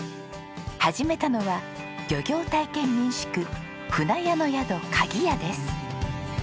始めたのは漁業体験民宿舟屋の宿鍵屋です。